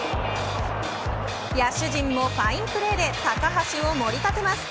野手陣もファインプレーで高橋を盛り立てます。